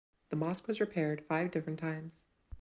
The mosque was repaired five different times.